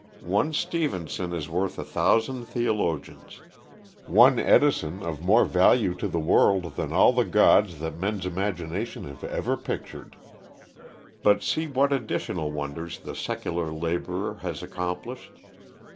One Stephenson is worth a thousand theologians; one Edison of more value to the world than all the gods that men's imagination have ever pictured. But see what additional wonders the secular laborer has accomplished.